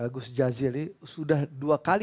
gus jazil ini sudah dua kali